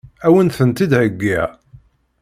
Ad wen-tent-id-heggiɣ?